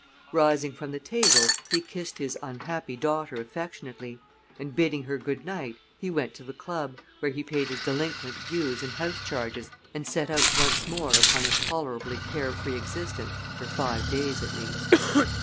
Rising from the table he kissed his unhappy daughter affectionately, and, bidding her good night, he went to the club, where he paid his delinquent dues and house charges and set out once more upon a tolerably care free existence for five days at least.